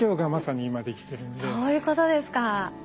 そういうことですか。